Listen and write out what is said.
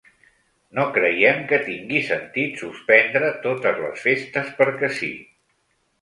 No creiem que tingui sentit suspendre totes les festes perquè sí.